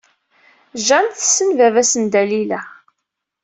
Jane tessen baba-s n Dalila.